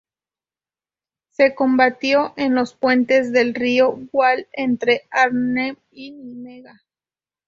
Se combatió en los puentes del río Waal, entre Arnhem y Nimega.